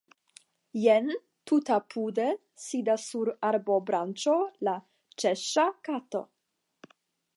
Jen, tutapude, sidas sur arbobranĉo la Ĉeŝŝa kato.